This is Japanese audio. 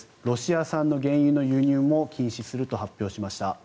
ロシア産の原油の輸入も禁止すると発表しました。